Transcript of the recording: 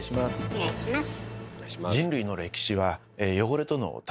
お願いします。